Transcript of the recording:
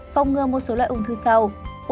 phòng ngừa một số loại ung thư sau